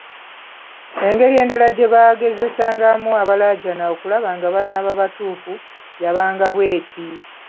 Engeri endala gye baagezesangamu abalajjana okulaba nga banaaba "batuufu" yabanga bweti